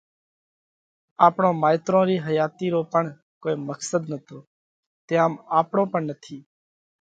آپڻون مائيترون رِي حياتِي رو پڻ ڪوئي مقصڌ نتو تيام آپڻو پڻ نٿِي۔